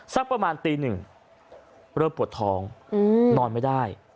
สักประมาณตีหนึ่งเริ่มปวดท้องนอนไม่ได้